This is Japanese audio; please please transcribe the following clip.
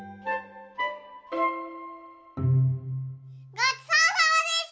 ごちそうさまでした！